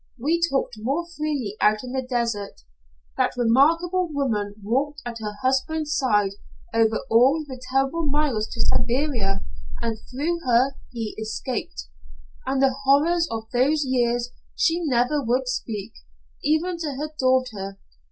We talked more freely out in the desert. That remarkable woman walked at her husband's side over all the terrible miles to Siberia, and through her he escaped, and of the horrors of those years she never would speak, even to her daughter.